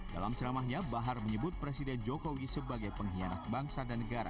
dalam ceramahnya bahar menyebut presiden jokowi sebagai pengkhianat bangsa